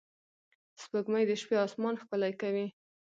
سپوږمۍ د شپې آسمان ښکلی کوي